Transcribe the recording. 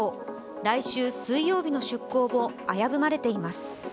来週、水曜日の出港も危ぶまれています。